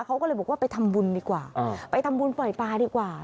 เขาก็เลยบอกว่าไปทำบุญดีกว่าไปทำบุญปล่อยปลาดีกว่า